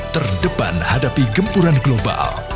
terdepan hadapi gempuran global